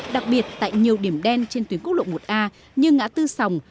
đặc biệt tại nhiều điểm đen trên tuyến quốc lộ một a như ngã tư sòng